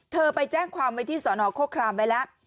เธอไปแจ้งความว่าที่ศนโคลดี่ขั้นไว้แล้ว